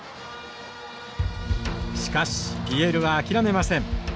しかしＰＬは諦めません。